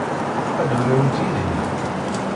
Ad urarent yid-i?